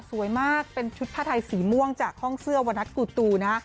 สวยมากเป็นชุดผ้าไทยสีม่วงจากห้องเสื้อวันนัทกูตูนะ